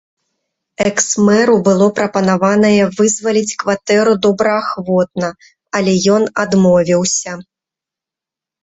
Экс-мэру было прапанаванае вызваліць кватэру добраахвотна, але ён адмовіўся.